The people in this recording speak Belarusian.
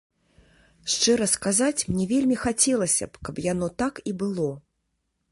Шчыра сказаць, мне вельмі хацелася б, каб яно так і было.